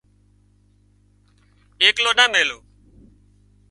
ايڪلو نا ميلو